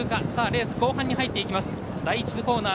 レース後半に入っていきます。